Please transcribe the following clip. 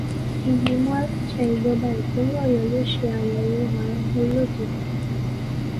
Ì̀gbìmọ́ aláṣẹ ìjọba ìpínlẹ̀ Ọ̀yọ́ ló ṣe àyẹwò ààrùn olóde.